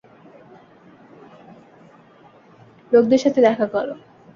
লোকদের সাথে দেখা করো।